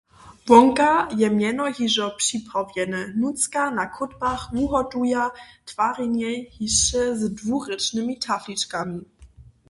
Wonka je mjeno hižo připrawjene, nutřka na chódbach wuhotuja twarjenje hišće z dwurěčnymi tafličkami.